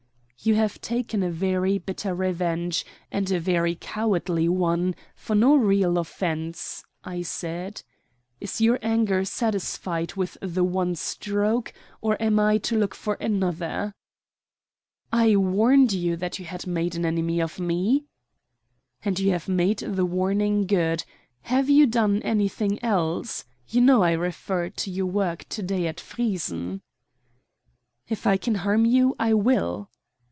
"You have taken a very bitter revenge, and a very cowardly one, for no real offence," I said. "Is your anger satisfied with the one stroke, or am I to look for another?" "I warned you that you had made an enemy of me." "And you have made the warning good. Have you done anything else? You know I refer to your work to day at Friessen." "If I can harm you I will."